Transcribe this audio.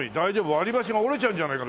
割り箸が折れちゃうんじゃないか。